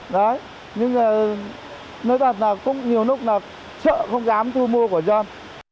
đấy nhưng mà nói thật là cũng nhiều lúc là chợ không dám thu mua của dân